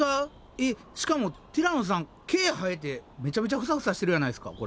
えっしかもティラノさん毛生えてめちゃめちゃフサフサしてるやないですかこれ。